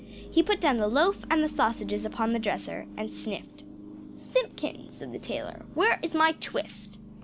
He put down the loaf and the sausages upon the dresser, and sniffed. "Simpkin," said the tailor, "where is my twist?"